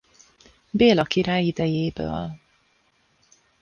Béla király idejéből.